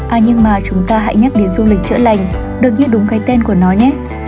à nhưng mà chúng ta hãy nhắc đến du lịch chữa lành được như đúng cái tên của nó nhé